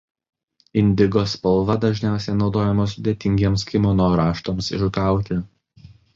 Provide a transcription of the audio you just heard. Indigo spalva dažniausiai naudojama sudėtingiems kimono raštams išgauti.